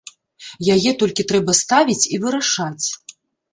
Яе толькі трэба ставіць і вырашаць.